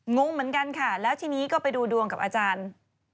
งงเหมือนกันค่ะแล้วทีนี้ก็ไปดูดวงกับอาจารย์